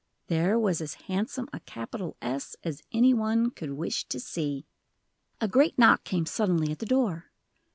There was as handsome a capital S as any one could wish to see. A great knock came suddenly at the door.